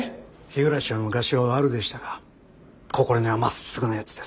日暮は昔はワルでしたが心根はまっすぐなやつです。